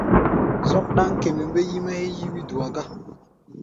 Zɔ́k ɗáŋ kémbémbé yí-mɛ́ héé yí wí-dua gá.